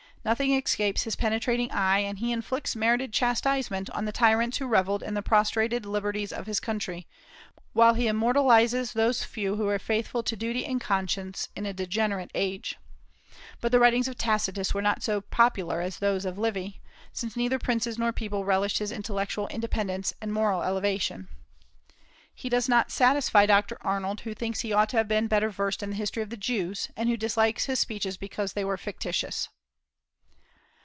Nothing escapes his penetrating eye; and he inflicts merited chastisement on the tyrants who revelled in the prostrated liberties of his country, while he immortalizes those few who were faithful to duty and conscience in a degenerate age. But the writings of Tacitus were not so popular as those of Livy, since neither princes nor people relished his intellectual independence and moral elevation. He does not satisfy Dr. Arnold, who thinks he ought to have been better versed in the history of the Jews, and who dislikes his speeches because they were fictitious.